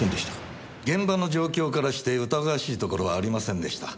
現場の状況からして疑わしいところはありませんでした。